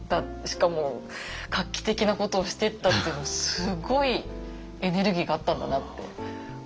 しかも画期的なことをしてったっていうのはすごいエネルギーがあったんだなって思いますね。